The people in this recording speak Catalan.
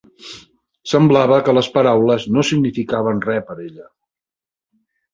Semblava que les paraules no significaven res per ella.